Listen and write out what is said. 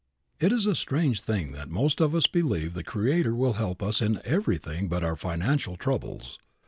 It is a strange thing that most of us believe the Creator will help us in everything but our financial troubles.